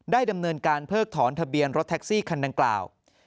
ดำเนินการเพิกถอนทะเบียนรถแท็กซี่คันดังกล่าว